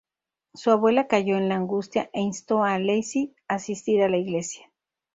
Su abuela cayó en la angustia e instó a Lacey asistir a la iglesia.